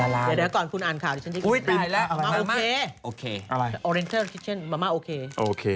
อุ๊ยตายแล้วมะม่าโอเค